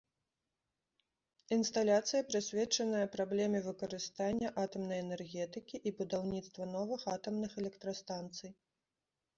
Інсталяцыя прысвечаная праблеме выкарыстання атамнай энергетыкі і будаўніцтва новых атамных электрастанцый.